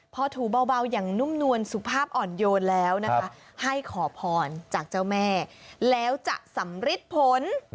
พอถูเบาอย่างนุ่มนวลสุภาพอ่อนโยนแล้วนะคะให้ขอพรจากเจ้าแม่แล้วจะสำริดผล